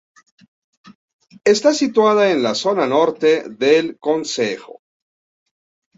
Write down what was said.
Está situada en la zona norte del concejo.